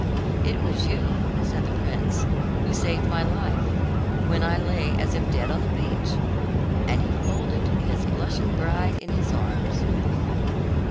"It was you," said the prince, "who saved my life when I lay as if dead on the beach," and he folded his blushing bride in his arms.